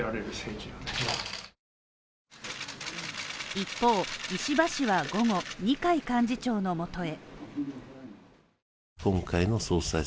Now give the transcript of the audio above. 一方、石破氏は午後、二階幹事長のもとへ。